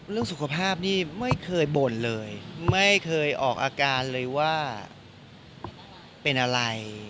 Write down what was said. เรื่องสุขภาพนี่ไม่เคยบ่นเลยไม่เคยออกอาการเลยว่าเป็นอะไร